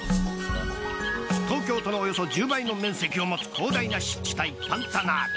東京都のおよそ１０倍の面積を持つ広大な湿地帯パンタナール。